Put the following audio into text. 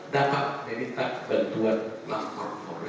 dapat menitak bantuan laptop for real